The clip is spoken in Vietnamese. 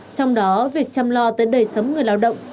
trong đó việc chăm lo tới đời sống người lao động